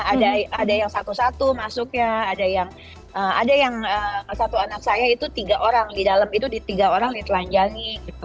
ada yang satu satu masuk ya ada yang satu anak saya itu tiga orang di dalam itu di tiga orang ditelanjangi